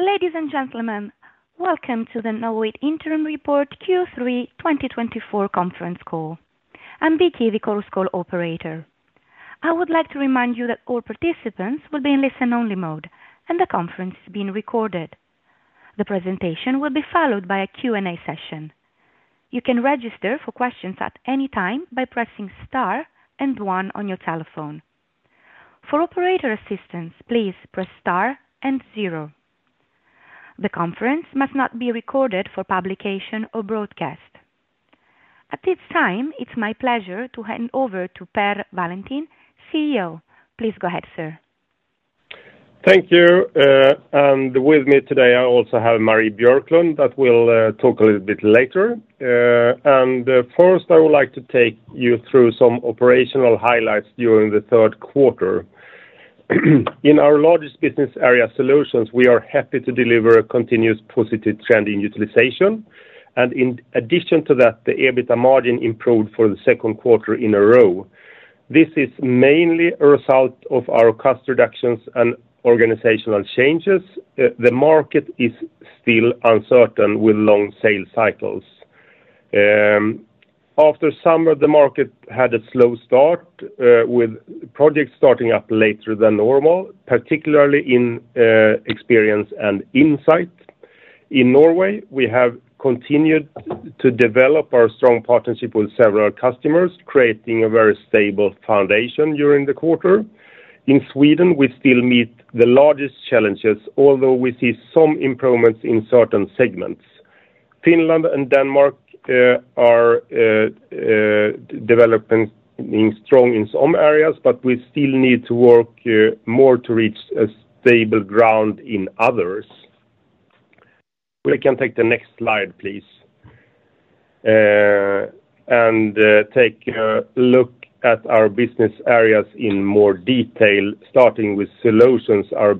Ladies and gentlemen, welcome to the Knowit Interim Report Q3 2024 conference call. I'm Vicky, the call's call operator. I would like to remind you that all participants will be in listen-only mode, and the conference is being recorded. The presentation will be followed by a Q&A session. You can register for questions at any time by pressing star and one on your telephone. For operator assistance, please press star and zero. The conference must not be recorded for publication or broadcast. At this time, it's my pleasure to hand over to Per Wallentin, CEO. Please go ahead, sir. Thank you, and with me today, I also have Marie Björklund, but we'll talk a little bit later, and first, I would like to take you through some operational highlights during the third quarter. In our largest business area, Solutions, we are happy to deliver a continuous positive trend in utilization, and in addition to that, the EBITDA margin improved for the second quarter in a row. This is mainly a result of our cost reductions and organizational changes. The market is still uncertain with long sales cycles. After summer, the market had a slow start, with projects starting up later than normal, particularly in Experience and Insight. In Norway, we have continued to develop our strong partnership with several customers, creating a very stable foundation during the quarter. In Sweden, we still meet the largest challenges, although we see some improvements in certain segments. Finland and Denmark are developing strong in some areas, but we still need to work more to reach a stable ground in others. We can take the next slide, please, and take a look at our business areas in more detail, starting with Solutions, our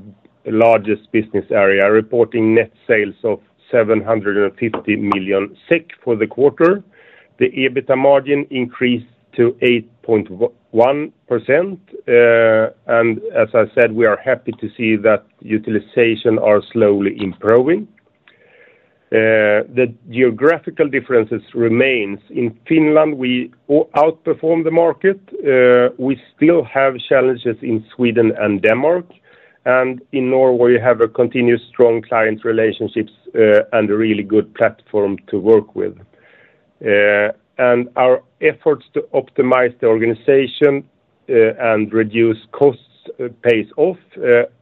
largest business area, reporting net sales of 750 million SEK for the quarter. The EBITDA margin increased to 8.1%, and as I said, we are happy to see that utilization are slowly improving. The geographical differences remains. In Finland, we outperform the market. We still have challenges in Sweden and Denmark, and in Norway, we have a continuous strong client relationships, and a really good platform to work with. Our efforts to optimize the organization and reduce costs pays off,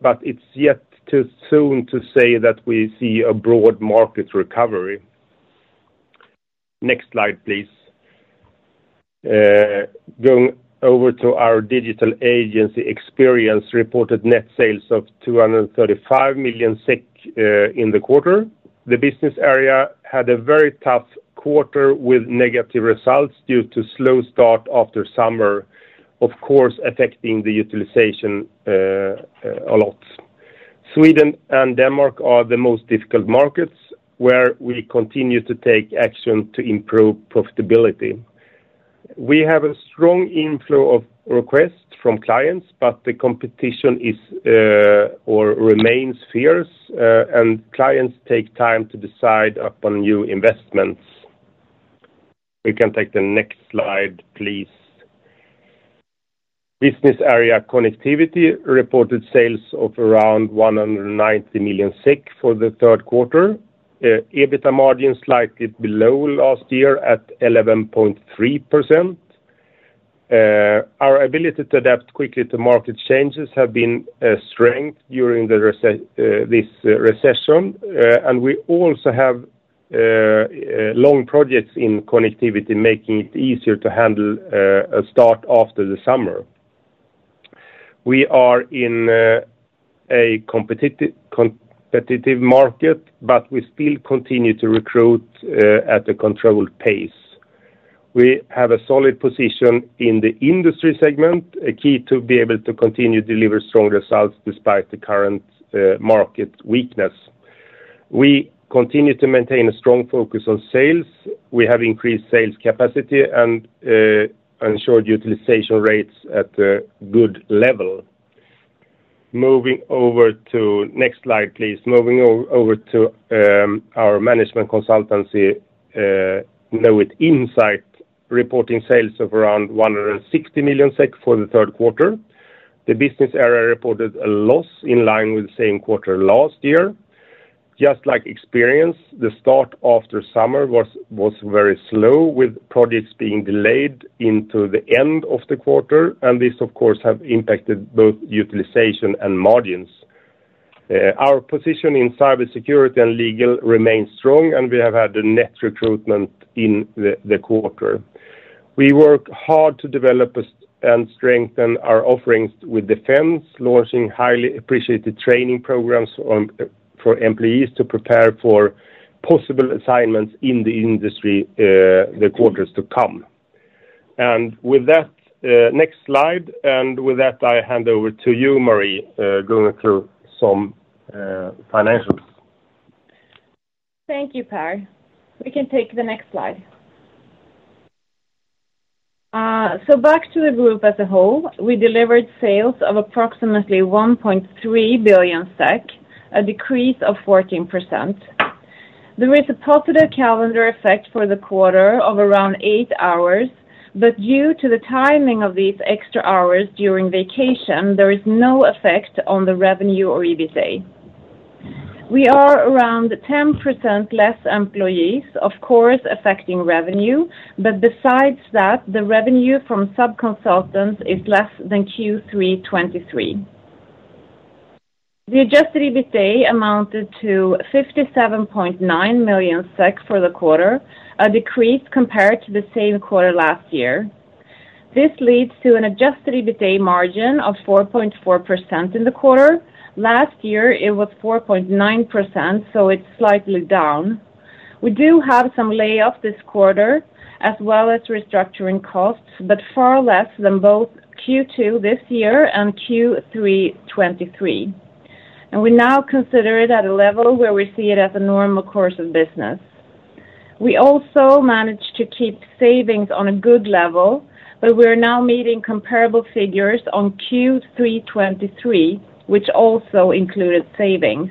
but it's yet too soon to say that we see a broad market recovery. Next slide, please. Going over to our digital agency, Experience, reported net sales of 235 million SEK in the quarter. The business area had a very tough quarter with negative results due to slow start after summer, of course, affecting the utilization a lot. Sweden and Denmark are the most difficult markets, where we continue to take action to improve profitability. We have a strong inflow of requests from clients, but the competition is or remains fierce, and clients take time to decide upon new investments. We can take the next slide, please. Business area Connectivity reported sales of around 190 million SEK for the third quarter. EBITDA margin slightly below last year at 11.3%. Our ability to adapt quickly to market changes have been a strength during this recession, and we also have long projects in Connectivity, making it easier to handle a start after the summer. We are in a competitive market, but we still continue to recruit at a controlled pace. We have a solid position in the industry segment, a key to be able to continue to deliver strong results despite the current market weakness. We continue to maintain a strong focus on sales. We have increased sales capacity and ensured utilization rates at a good level. Moving over to... Next slide, please. Moving over to our management consultancy, Knowit Insight, reporting sales of around 160 million SEK for the third quarter. The business area reported a loss in line with the same quarter last year. Just like Experience, the start after summer was very slow, with projects being delayed into the end of the quarter, and this, of course, have impacted both utilization and margins. Our position in cybersecurity and legal remains strong, and we have had a net recruitment in the quarter. We work hard to develop and strengthen our offerings with defense, launching highly appreciated training programs on for employees to prepare for possible assignments in the industry, the quarters to come. With that, next slide, and with that, I hand over to you, Marie, going through some financials. Thank you, Per. We can take the next slide. So back to the group as a whole, we delivered sales of approximately 1.3 billion SEK, a decrease of 14%. There is a positive calendar effect for the quarter of around eight hours, but due to the timing of these extra hours during vacation, there is no effect on the revenue or EBITDA. We are around 10% less employees, of course, affecting revenue, but besides that, the revenue from sub-consultants is less than Q3 2023. The adjusted EBITDA amounted to 57.9 million SEK for the quarter, a decrease compared to the same quarter last year. This leads to an adjusted EBITDA margin of 4.4% in the quarter. Last year, it was 4.9%, so it's slightly down. We do have some layoffs this quarter, as well as restructuring costs, but far less than both Q2 this year and Q3 2023, and we now consider it at a level where we see it as a normal course of business. We also managed to keep savings on a good level, but we are now meeting comparable figures on Q3 2023, which also included savings.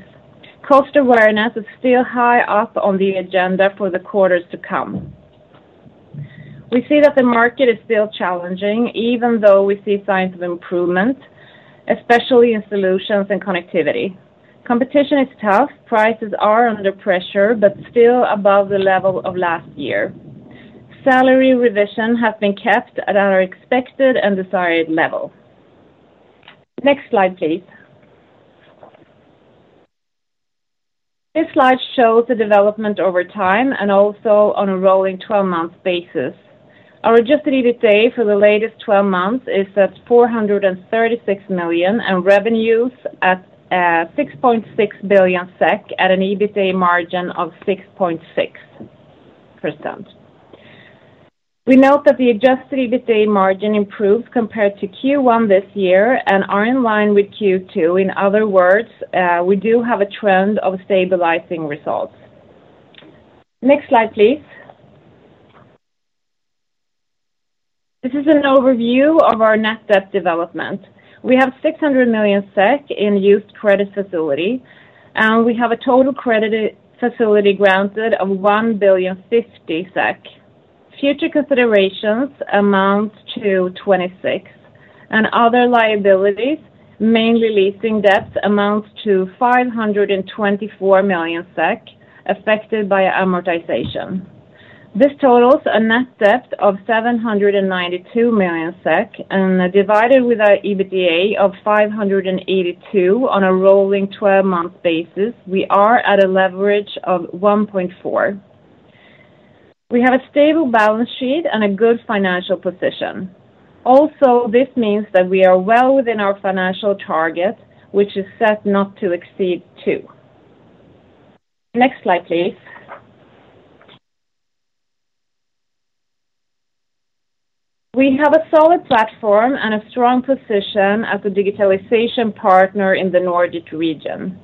Cost awareness is still high up on the agenda for the quarters to come. We see that the market is still challenging, even though we see signs of improvement, especially in solutions and connectivity. Competition is tough. Prices are under pressure, but still above the level of last year. Salary revision have been kept at our expected and desired level. Next slide, please. This slide shows the development over time and also on a rolling 12-month basis. Our adjusted EBITDA for the latest 12 months is at 436 million, and revenues at 6.6 billion SEK at an EBITDA margin of 6.6%. We note that the adjusted EBITDA margin improved compared to Q1 this year and are in line with Q2. In other words, we do have a trend of stabilizing results. Next slide, please. This is an overview of our net debt development. We have 600 million SEK in used credit facility, and we have a total credit facility granted of 1.05 billion. Future considerations amount to 26, and other liabilities, mainly leasing debts, amounts to 524 million SEK affected by amortization. This totals a net debt of 792 million SEK, and divided with our EBITDA of 582 on a rolling 12-month basis, we are at a leverage of 1.4%. We have a stable balance sheet and a good financial position. Also, this means that we are well within our financial target, which is set not to exceed two. Next slide, please. We have a solid platform and a strong position as a digitalization partner in the Nordic region.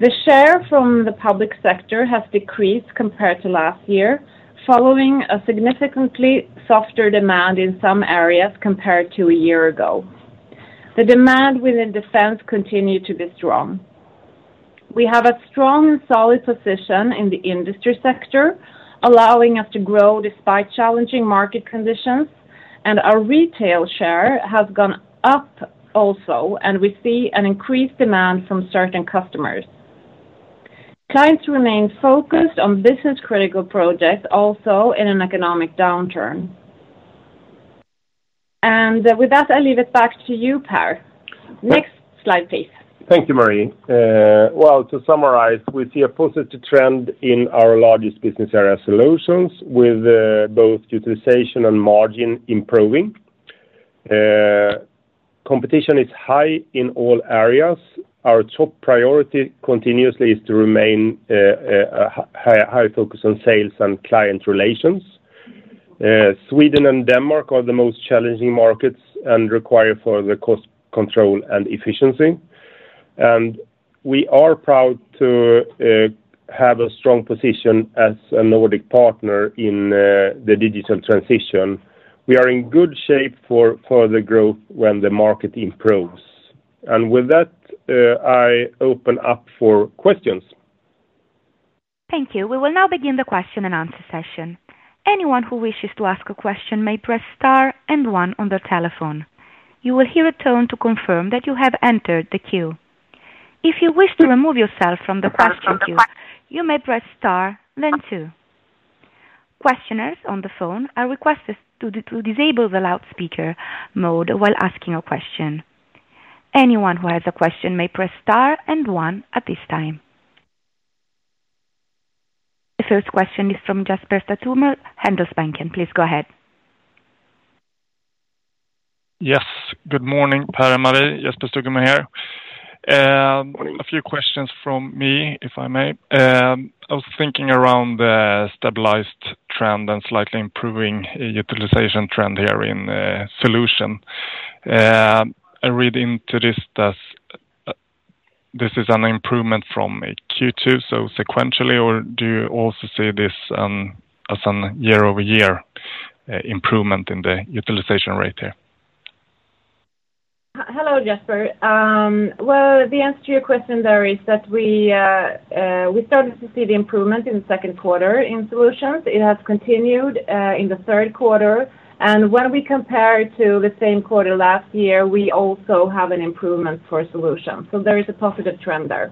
The share from the public sector has decreased compared to last year, following a significantly softer demand in some areas compared to a year ago. The demand within defense continued to be strong. We have a strong and solid position in the industry sector, allowing us to grow despite challenging market conditions, and our retail share has gone up also, and we see an increased demand from certain customers. Clients remain focused on business-critical projects, also in an economic downturn, and with that, I leave it back to you, Per. Next slide, please. Thank you, Marie. Well, to summarize, we see a positive trend in our largest business area Solutions with both utilization and margin improving. Competition is high in all areas. Our top priority continuously is to remain highly focused on sales and client relations. Sweden and Denmark are the most challenging markets and require further cost control and efficiency. We are proud to have a strong position as a Nordic partner in the digital transition. We are in good shape for the growth when the market improves. With that, I open up for questions. Thank you. We will now begin the question-and-answer session. Anyone who wishes to ask a question may press star and one on their telephone. You will hear a tone to confirm that you have entered the queue. If you wish to remove yourself from the question queue, you may press star, then two. Questioners on the phone are requested to disable the loudspeaker mode while asking a question. Anyone who has a question may press star and one at this time. The first question is from Jesper Stuer-Lauridsen, Handelsbanken. Please go ahead. Yes. Good morning, Per and Marie. Jesper Stuer-Lauridsen here. A few questions from me, if I may. I was thinking around the stabilized trend and slightly improving utilization trend here in Solutions. I read into this that this is an improvement from Q2, so sequentially, or do you also see this as an year-over-year improvement in the utilization rate here? Hello, Jesper. Well, the answer to your question there is that we started to see the improvement in the second quarter in solutions. It has continued in the third quarter, and when we compare it to the same quarter last year, we also have an improvement for solutions, so there is a positive trend there.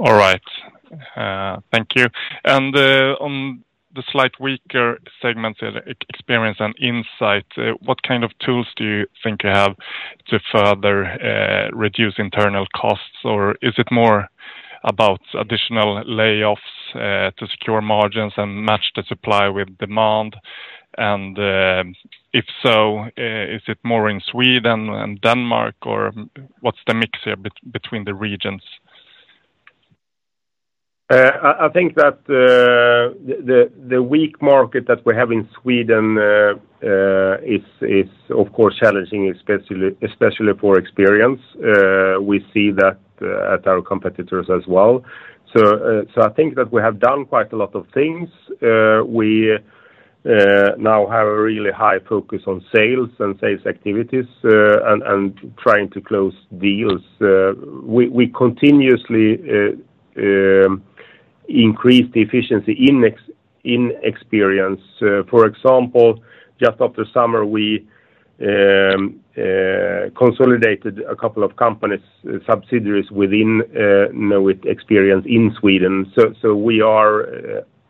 All right, thank you, and on the slight weaker segment, Experience and Insight, what kind of tools do you think you have to further reduce internal costs, or is it more about additional layoffs to secure margins and match the supply with demand, and if so, is it more in Sweden and Denmark, or what's the mix here between the regions? I think that the weak market that we have in Sweden is of course challenging, especially for Experience. We see that at our competitors as well. I think that we have done quite a lot of things. We now have a really high focus on sales and sales activities and trying to close deals. We continuously increase the efficiency in Experience. For example, just after summer, we consolidated a couple of companies, subsidiaries within Experience in Sweden. We are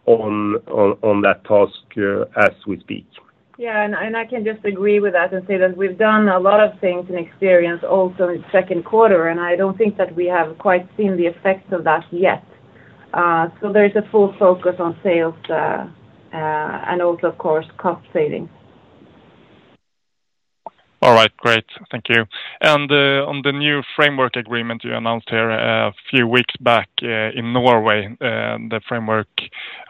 on that task as we speak. Yeah, and I can just agree with that and say that we've done a lot of things in experience also in the second quarter, and I don't think that we have quite seen the effects of that yet, so there's a full focus on sales, and also, of course, cost savings. All right, great. Thank you. On the new framework agreement you announced here a few weeks back in Norway, the framework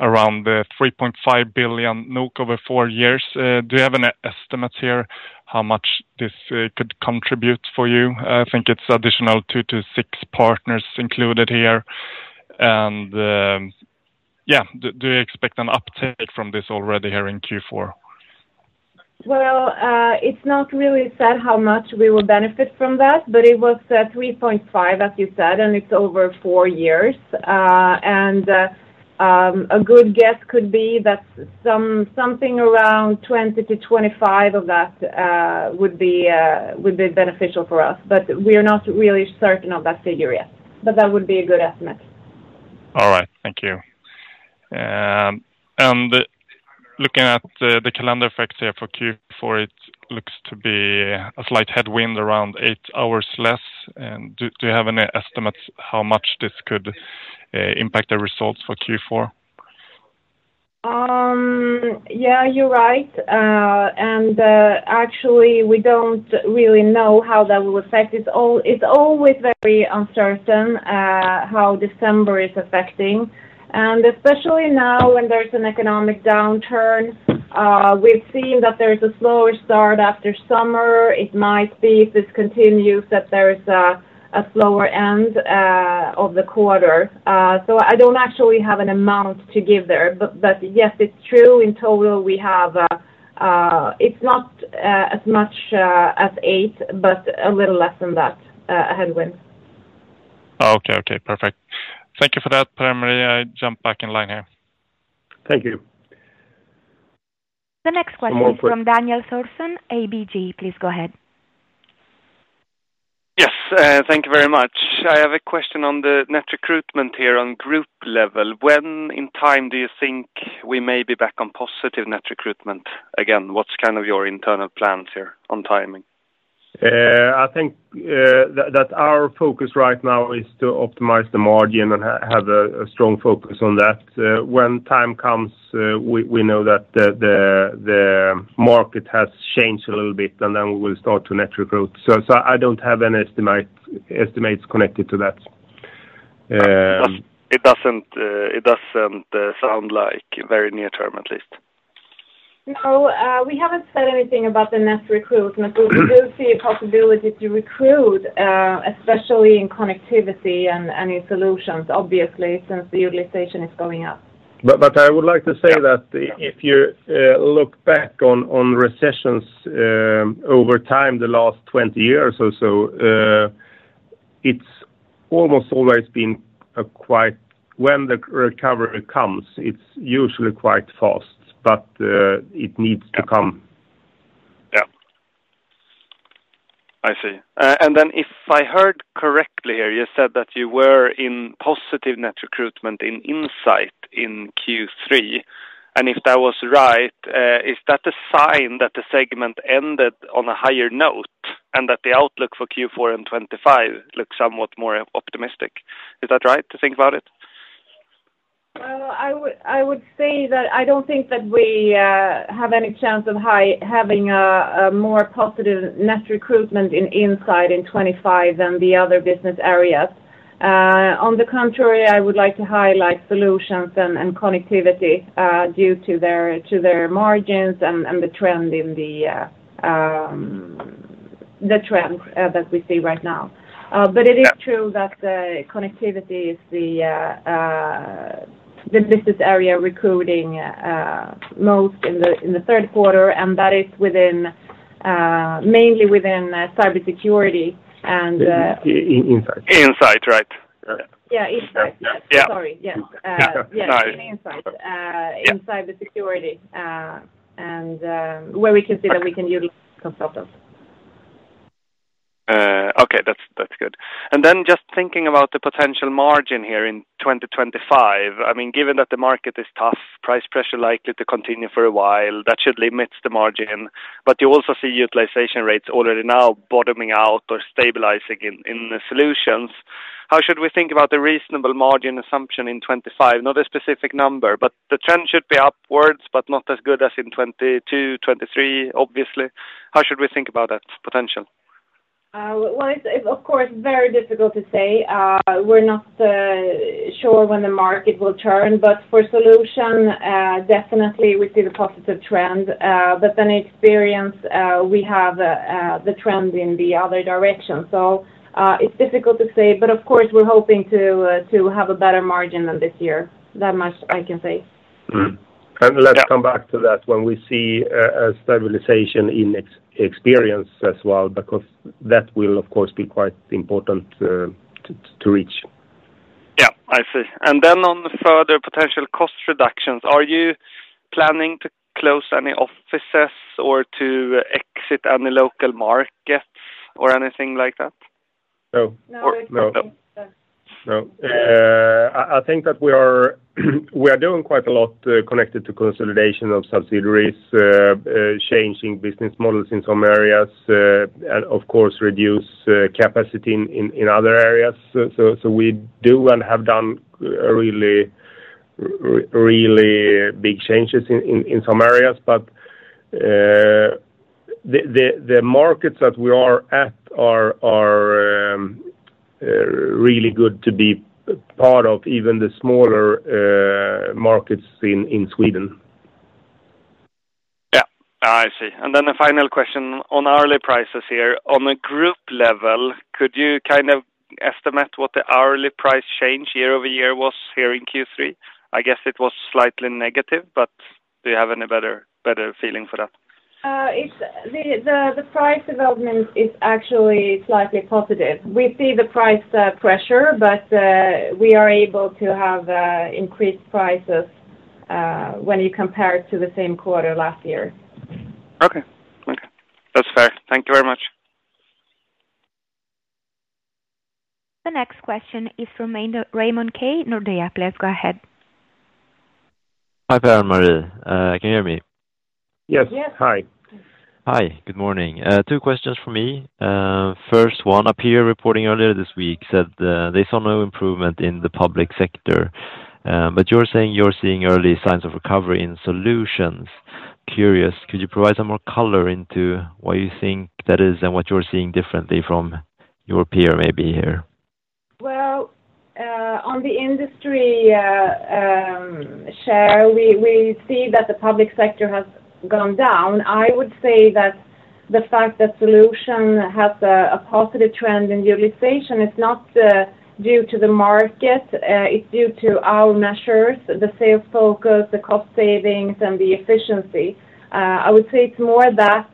around 3.5 billion NOK over four years, do you have any estimates here how much this could contribute for you? I think it's additional two to six partners included here, and yeah, do you expect an uptake from this already here in Q4? It's not really said how much we will benefit from that, but it was 3.5, as you said, and it's over four years. A good guess could be that something around 20-25 of that would be beneficial for us, but we are not really certain of that figure yet, but that would be a good estimate. All right. Thank you, and looking at the calendar effects here for Q4, it looks to be a slight headwind, around eight hours less, and do you have any estimates how much this could impact the results for Q4? Yeah, you're right. Actually, we don't really know how that will affect. It's always very uncertain how December is affecting, and especially now, when there's an economic downturn, we've seen that there's a slower start after summer. It might be, if this continues, that there's a slower end of the quarter. So I don't actually have an amount to give there. But yes, it's true. In total, it's not as much as eight, but a little less than that headwind. Okay, okay, perfect. Thank you for that, Per, Marie. I jump back in line here. Thank you. The next question is from Daniel Thorsson, ABG. Please go ahead. Yes, thank you very much. I have a question on the net recruitment here on group level. When in time do you think we may be back on positive net recruitment? Again, what's kind of your internal plans here on timing? I think that our focus right now is to optimize the margin and have a strong focus on that. When time comes, we know that the market has changed a little bit, and then we will start to net recruit. I don't have any estimates connected to that. It doesn't sound like very near term, at least. No, we haven't said anything about the net recruitment. We do see a possibility to recruit, especially in connectivity and in solutions, obviously, since the utilization is going up. But, I would like to say that if you look back on recessions over time, the last 20 years or so, it's almost always been quite, when the recovery comes, it's usually quite fast, but it needs to come. Yeah. I see, and then if I heard correctly here, you said that you were in positive net recruitment in Insight in Q3, and if that was right, is that a sign that the segment ended on a higher note and that the outlook for Q4 and 2025 looks somewhat more optimistic? Is that right to think about it? I would say that I don't think that we have any chance of having a more positive net recruitment in Insight in 2025 than the other business areas. On the contrary, I would like to highlight Solutions and Connectivity due to their margins and the trends that we see right now. But it is true that the Connectivity is the business area recruiting most in the third quarter, and that is mainly within cybersecurity and- Insight, right? Yeah, insight. Yeah. Sorry, yeah. Yeah. Yes, in Insight, Yeah. In cybersecurity, and where we can see that we can utilize consultants. Okay, that's, that's good. Then just thinking about the potential margin here in 2025, I mean, given that the market is tough, price pressure likely to continue for a while, that should limit the margin. But you also see utilization rates already now bottoming out or stabilizing in the solutions. How should we think about the reasonable margin assumption in 2025? Not a specific number, but the trend should be upwards, but not as good as in 2022, 2023, obviously. How should we think about that potential? It's of course very difficult to say. We're not sure when the market will turn, but for Solutions, definitely we see the positive trend, but then Experience, we have the trend in the other direction. It's difficult to say, but of course, we're hoping to have a better margin than this year. That much I can say. Let's come back to that when we see a stabilization in Experience as well, because that will, of course, be quite important to reach. Yeah, I see. Then on the further potential cost reductions, are you planning to close any offices or to exit any local markets or anything like that? No. No. No. I think that we are doing quite a lot connected to consolidation of subsidiaries, changing business models in some areas, and of course, reduce capacity in other areas. So we do and have done really big changes in some areas, but the markets that we are at are really good to be part of even the smaller markets in Sweden. Yeah. I see. Then a final question on hourly prices here. On a group level, could you kind of estimate what the hourly price change year-over-year was here in Q3? I guess it was slightly negative, but do you have any better feeling for that? It's the price development is actually slightly positive. We see the price pressure, but we are able to have increased prices when you compare it to the same quarter last year. Okay. Okay, that's fair. Thank you very much. The next question is from Raymond Ke, Nordea. Please go ahead. Hi, Per and Marie. Can you hear me? Yes. Yes. Hi. Hi, good morning. Two questions for me. First one, a peer reporting earlier this week said, they saw no improvement in the public sector, but you're saying you're seeing early signs of recovery in solutions. Curious, could you provide some more color into why you think that is and what you're seeing differently from your peer, maybe here? On the industry share, we see that the public sector has gone down. I would say that the fact that solution has a positive trend in utilization is not due to the market. It's due to our measures, the sales focus, the cost savings, and the efficiency. I would say it's more that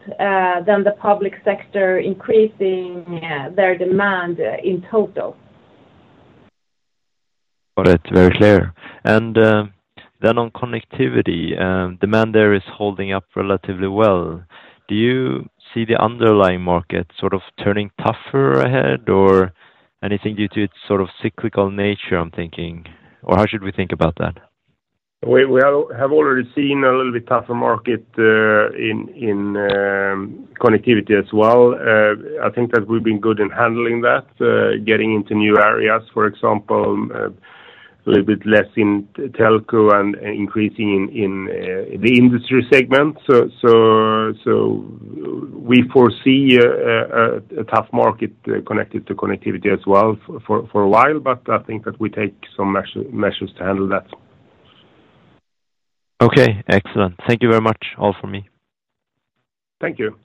than the public sector increasing their demand in total. All right, very clear. Then on connectivity, demand there is holding up relatively well. Do you see the underlying market sort of turning tougher ahead or anything due to its sort of cyclical nature, I'm thinking, or how should we think about that? We have already seen a little bit tougher market in connectivity as well. I think that we've been good in handling that, getting into new areas, for example, a little bit less in telco and increasing in the industry segment, so we foresee a tough market connected to connectivity as well for a while, but I think that we take some measures to handle that. Okay, excellent. Thank you very much. All for me. Thank you.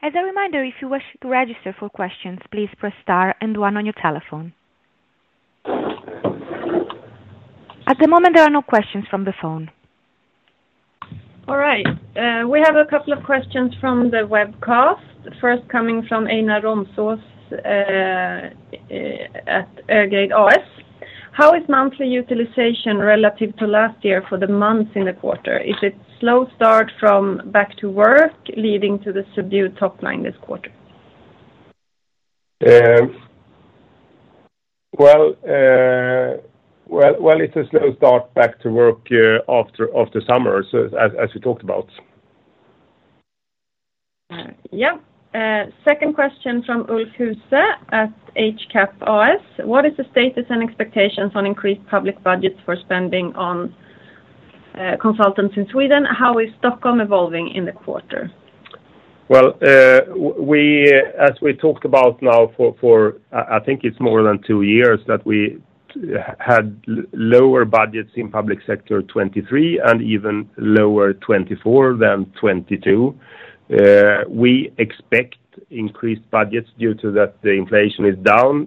As a reminder, if you wish to register for questions, please press star and one on your telephone. At the moment, there are no questions from the phone. All right. We have a couple of questions from the webcast. First, coming from Einar Romsås at Eika Asset Management: How is monthly utilization relative to last year for the months in the quarter? Is it slow start from back to work, leading to the subdued top line this quarter? It's a slow start back to work after summer, so as we talked about. Second question from Ulf Huss at HCAP: What is the status and expectations on increased public budgets for spending on consultants in Sweden? How is Stockholm evolving in the quarter? As we talked about now for, I think it's more than two years, that we had lower budgets in public sector 2023, and even lower 2024 than 2022. We expect increased budgets due to that the inflation is down,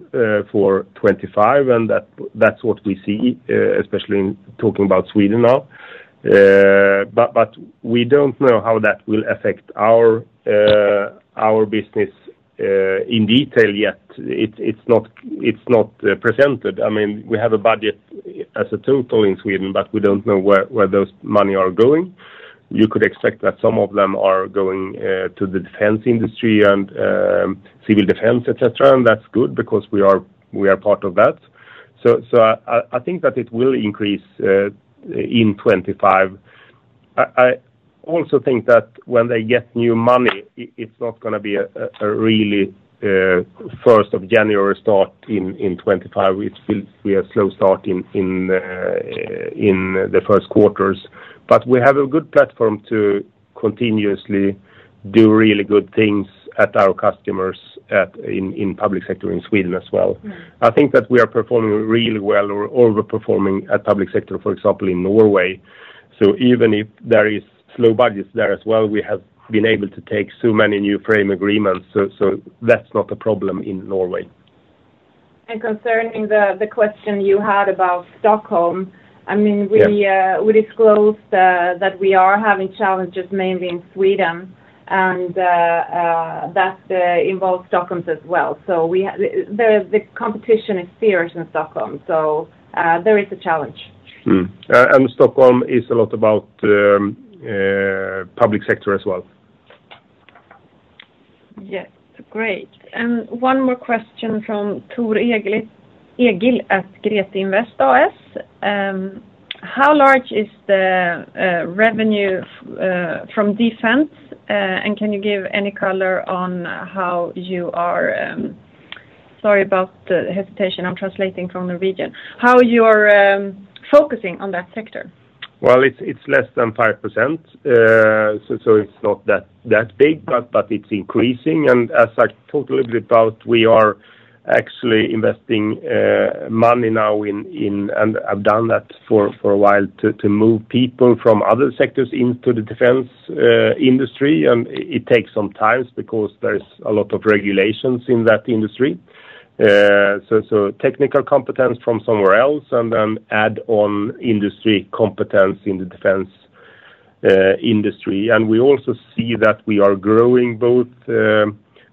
for 2025, and that's what we see, especially in talking about Sweden now. But, we don't know how that will affect our business, in detail yet. It's not presented. I mean, we have a budget as a total in Sweden, but we don't know where those money are going. You could expect that some of them are going to the defense industry and civil defense, et cetera, and that's good because we are part of that. I think that it will increase in 2025. I also think that when they get new money, it's not gonna be a really first of January start in 2025. It will be a slow start in the first quarters but we have a good platform to continuously do really good things at our customers in public sector in Sweden as well. I think that we are performing really well or overperforming in public sector, for example, in Norway. So even if there is slow budgets there as well, we have been able to take so many new framework agreements, so that's not a problem in Norway. Concerning the question you had about Stockholm, I mean, we disclosed that we are having challenges mainly in Sweden, and that involves Stockholm as well. So, the competition is fierce in Stockholm, so there is a challenge. Stockholm is a lot about public sector as well. Yes. Great. One more question from Tor Egil Skulstad at Grete Invest AS. How large is the revenue from defense and can you give any color on how you are... Sorry about the hesitation. I'm translating from Norwegian. How you are focusing on that sector? It's less than 5%, so it's not that big, but it's increasing, and as I talked a little bit about, we are actually investing money now in and have done that for a while to move people from other sectors into the defense industry, and it takes some time because there's a lot of regulations in that industry. So technical competence from somewhere else, and then add on industry competence in the defense industry, and we also see that we are growing both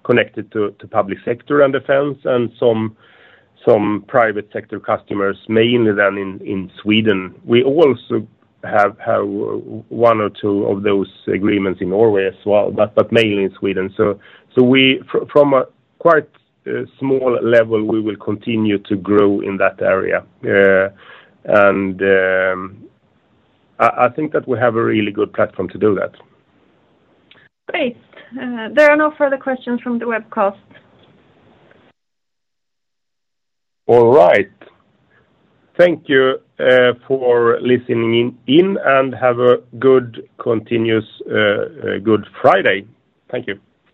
connected to public sector and defense, and some private sector customers, mainly in Sweden. We also have one or two of those agreements in Norway as well, but mainly in Sweden. So, from a quite small level, we will continue to grow in that area and I think that we have a really good platform to do that. Great. There are no further questions from the webcast. All right. Thank you for listening in, and have a good continuous good Friday. Thank you.